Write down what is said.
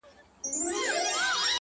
هر گړى خــوشـــالـــه اوســـــــــــې,